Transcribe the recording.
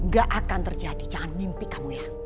gak akan terjadi jangan mimpi kamu ya